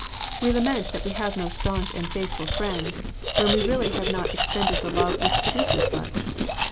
We lament that we have no staunch and faithful friend, when we have really not expended the love which produces such.